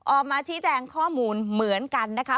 ออกมาชี้แจงข้อมูลเหมือนกันนะคะ